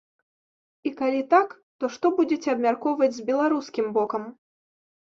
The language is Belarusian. І калі так, то што будзеце абмяркоўваць з беларускім бокам?